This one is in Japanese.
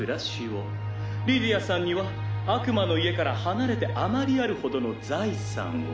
「リディアさんには悪魔の家から離れて余りあるほどの財産を」